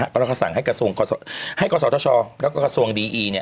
เพราะเราสั่งให้กษัตริย์ท่อช่อและก็กษัตริย์ดีอี